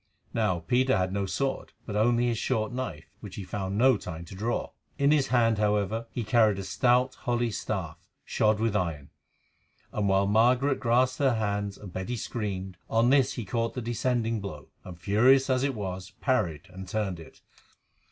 Now, Peter had no sword, but only his short knife, which he found no time to draw. In his hand, however, he carried a stout holly staff shod with iron, and, while Margaret clasped her hands and Betty screamed, on this he caught the descending blow, and, furious as it was, parried and turned it.